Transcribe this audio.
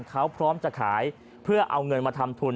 เขาพร้อมจะขายเพื่อเอาเงินมาทำทุน